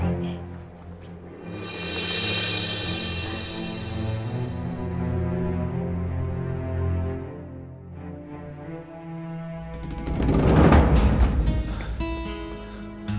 semoga aku belum terlambat